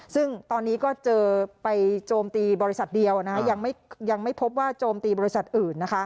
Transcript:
ซึ่งตอนนี้ก็เจอไปโจมตีบริษัทเดียวยังไม่พบว่าโจมตีบริษัทอื่น